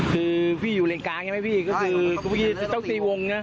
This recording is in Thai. คือพี่อยู่เล่นกลางอย่างนี้ไหมพี่ก็คือเมื่อกี้เจ้าสี่วงเนี่ย